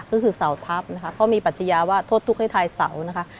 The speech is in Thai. ก็คือเสาทัพนะคะเพราะมีปัชญาว่าโทษทุกข์ให้ทายเสานะคะ